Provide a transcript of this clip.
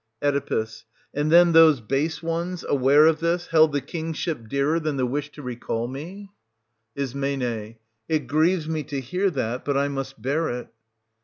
Oe. And then those base ones, aware of this, held the kingship dearer than the wish to recall me } 420 Is. It grieves me to hear that, — but I must bear it.